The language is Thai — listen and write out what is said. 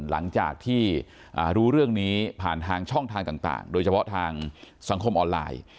หลังจากที่รู้เรื่องนี้ผ่านทางช่องทางต่างโดยเฉพาะทางสังคมออนไลน์